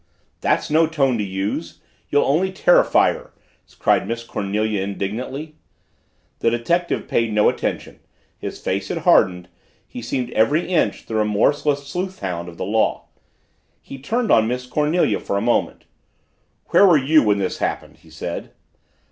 "That's no tone to use! You'll only terrify her," cried Miss Cornelia indignantly. The detective paid no attention, his face had hardened, he seemed every inch the remorseless sleuthhound of the law. He turned on Miss Cornelia for a moment. "Where were you when this happened?" he said.